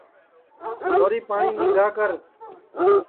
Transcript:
چھوری پاٹؔی نیم گرم کر